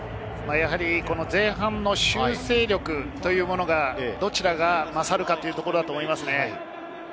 前半の修正力というものがどちらが勝るかというところだと思いますね。